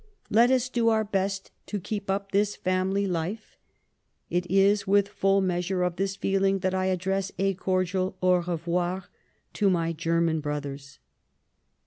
Let us do our best to keep up this family life. It is with full measure of this feeling that I address a cordial an revoir to m}^ German brothers."